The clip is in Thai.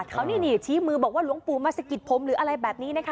เขานี่ชี้มือบอกว่าหลวงปู่มาสะกิดผมหรืออะไรแบบนี้นะคะ